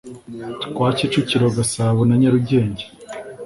twa kicukiro gasabo na nyarugenge